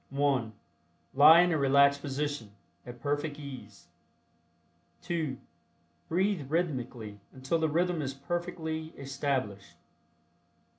(1) Lie in a relaxed position, at perfect ease. (2) Breathe rhythmically until the rhythm is perfectly established.